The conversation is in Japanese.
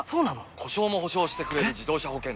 故障も補償してくれる自動車保険といえば？